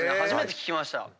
初めて聞きました。